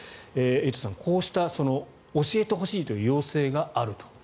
エイトさん、こうした教えてほしいという要請があると。